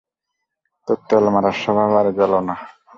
তোর তেল মারার স্বভাব আর গেল না!